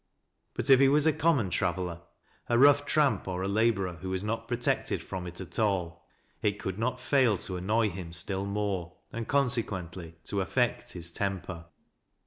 But, if he was a com mon traveller — a rough tramp or laborei , who was not pro tected from it at all, it could not fail to annoy him still more, and consequently to affect his temper.